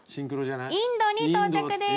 インドに到着です